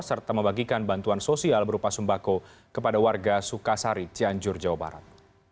serta membagikan bantuan sosial berupa sembako kepada warga sukasari cianjur jawa barat